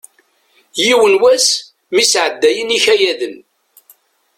Yiwen wass mi sɛeddayen ikayaden.